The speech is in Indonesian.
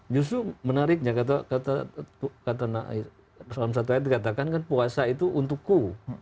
justru menariknya kata salam satu ayat dikatakan kan puasa itu untuk ku